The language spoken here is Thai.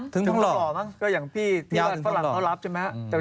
ถึงหล่อมั้งก็อย่างที่ว่าฝรั่งเขารับใช่ไหมครับ